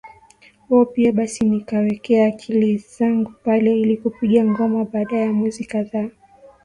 huo pia basi nikaweka akili zangu pale ili kupiga ngomaBaada ya miezi kadhaa